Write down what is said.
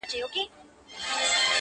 پروت لا پر ساحل ومه توپان راسره وژړل!!